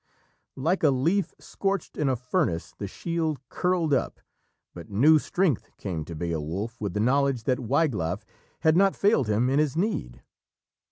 Like a leaf scorched in a furnace the shield curled up, but new strength came to Beowulf with the knowledge that Wiglaf had not failed him in his need.